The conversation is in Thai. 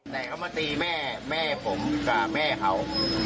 แต่เขามาตีแม่แม่ผมกับแม่เขา